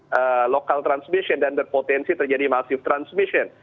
jadi lokal transmission dan berpotensi terjadi massive transmission